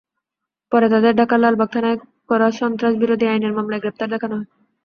পরে তাঁদের ঢাকার লালবাগ থানায় করা সন্ত্রাসবিরোধী আইনের মামলায় গ্রেপ্তার দেখানো হয়।